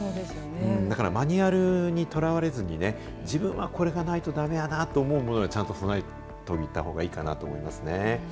だからマニュアルにとらわれずにね、自分がこれがないとだめやなみたいなものをちゃんと備えといたほうがいいかなと思いますね。